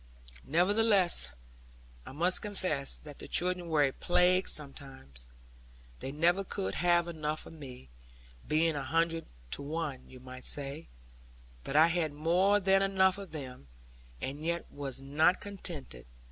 Nevertheless, I must confess that the children were a plague sometimes. They never could have enough of me being a hundred to one, you might say but I had more than enough of them; and yet was not contented.